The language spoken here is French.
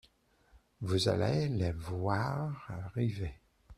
Vous allez les voir arriver …